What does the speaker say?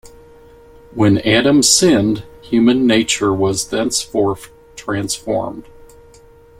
When Adam sinned, human nature was thenceforth transformed.